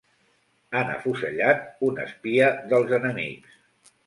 Han afusellat un espia dels enemics.